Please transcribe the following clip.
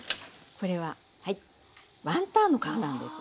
これはワンタンの皮なんです。